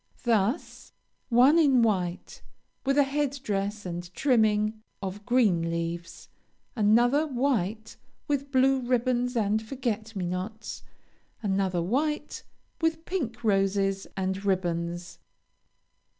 Thus, one in white, with a head dress and trimming of green leaves; another, white, with blue ribbons and forget me nots; another, white, with pink roses and ribbons.